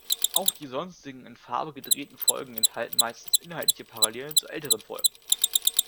Auch die sonstigen in Farbe gedrehten Folgen enthalten meistens inhaltliche Parallelen zu älteren Folgen.